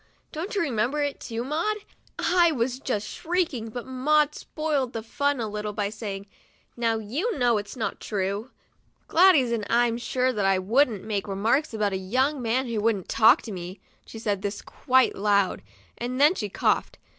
Don't you remember it, too, Maud !' I was just shrieking, but Maud spoiled the fun a little by saying, '' Now you know that's not true, Gladys, and I'm sure that 1 wouldn't make remarks about a young man who wouldn't talk to me." She said this quite loud, and then she coughed.